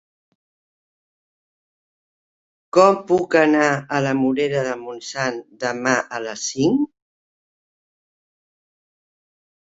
Com puc anar a la Morera de Montsant demà a les cinc?